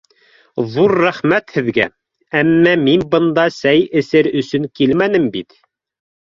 — Ҙур рәхмәт һеҙгә, әммә мин бында сәй эсер өсөн килмәнем бит.